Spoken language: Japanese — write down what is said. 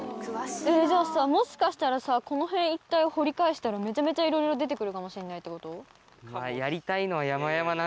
じゃあもしかしたらこの辺一帯を掘り返したらめちゃめちゃいろいろ出て来るかもしれないってこと？